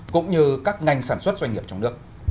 cũng như các ngành sản xuất doanh nghiệp trong nước